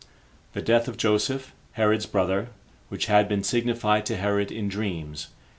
The Death Of Joseph [Herod's Brother] Which Had Been Signified To Herod In Dreams.